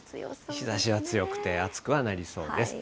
日ざしは強くて、暑くはなりそうです。